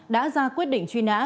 đã ra quyết định truy nã